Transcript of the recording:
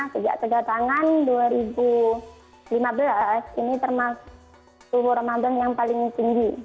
sejak kedatangan dua ribu lima belas ini termasuk suhu ramadan yang paling tinggi